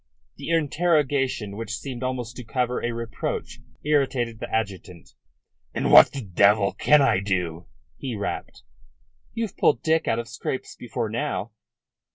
The interrogation, which seemed almost to cover a reproach, irritated the adjutant. "And what the devil can I do?" he rapped. "You've pulled Dick out of scrapes before now."